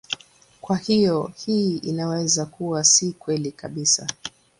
Kwa hiyo hii inaweza kuwa si kweli kabisa.